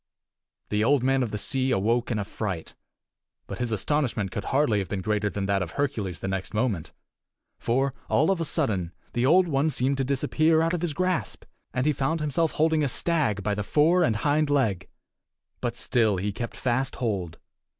The Old Man of the Sea awoke in a fright But his astonishment could hardly have been greater than that of Hercules the next moment. For, all of a sudden, the Old One seemed to disappear out of his grasp, and he found himself holding a stag by the fore and hind leg! But still he kept fast hold.